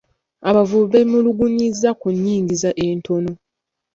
Abavubi beemulugunyizza ku nnyingiza entono.